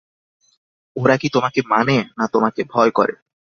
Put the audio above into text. ওরা কি তােমাকে মানে, না তােমাকে ভয় করে!